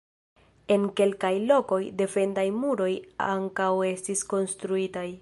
En kelkaj lokoj, defendaj muroj ankaŭ estis konstruitaj.